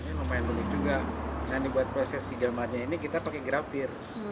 ini lumayan unik juga nah ini buat proses sigelmarnya ini kita pakai grafir